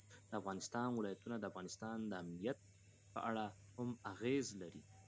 د افغانستان ولايتونه د افغانستان د امنیت په اړه هم اغېز لري.